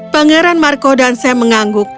pangeran marco dan sam mengangguk